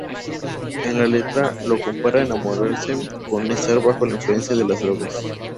En la letra, Lo compara enamorarse con estar bajo la influencia de las drogas.